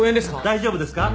大丈夫ですか！？